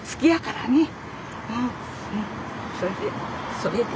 それで。